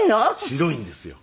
白いんですよ。